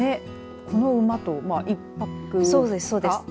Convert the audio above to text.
この馬と１泊ですか。